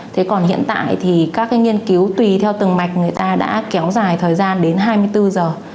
thế còn hiện tại thì các cái nghiên cứu tùy theo từng mạch người ta đã kéo dài thời gian đến hai mươi bốn giờ